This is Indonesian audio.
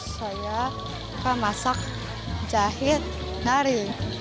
saya suka masak jahit nari